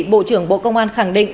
bộ trưởng bộ công an khẳng định